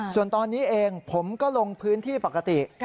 ส่วนตอนนี้เองผมก็ลงพื้นที่ปกติ